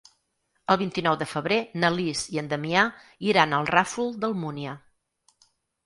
El vint-i-nou de febrer na Lis i en Damià iran al Ràfol d'Almúnia.